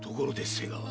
瀬川